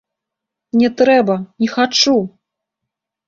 Не трэба, не хачу.